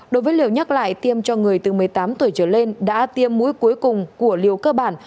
đối với liều nhắc lại tiêm cho người từ một mươi tám tuổi trở lên đã tiêm mũi cuối cùng của liều cơ bản